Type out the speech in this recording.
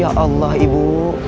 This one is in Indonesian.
ya allah ibu